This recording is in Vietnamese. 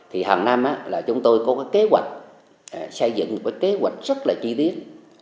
hàng năm chúng tôi có kế hoạch xây dựng kế hoạch rất chi tiết